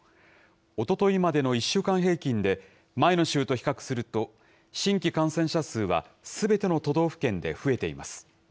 おとといまでの１週間平均で、前の週と比較すると、新規感染者数はすべての都道府県で増えています。